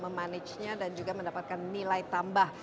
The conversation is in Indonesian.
memanagenya dan juga mendapatkan nilai tambah